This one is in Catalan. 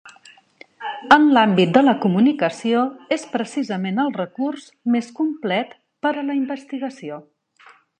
En l’àmbit de la comunicació és precisament el recurs més complet per a la investigació.